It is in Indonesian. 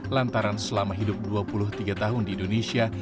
lantaran selama hidup dua puluh tiga tahun di indonesia